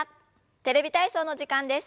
「テレビ体操」の時間です。